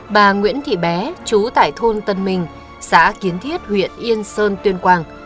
bà nguyễn thị bé chú tại thôn tân minh xã kiến thiết huyện yên sơn tuyên quang